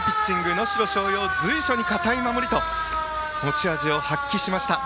能代松陽、随所に堅い守りと持ち味を発揮しました。